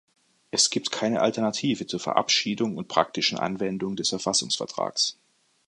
Es gibt keine Alternative zur Verabschiedung und praktischen Anwendung des Verfassungsvertrags.